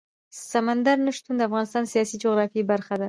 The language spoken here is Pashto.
سمندر نه شتون د افغانستان د سیاسي جغرافیه برخه ده.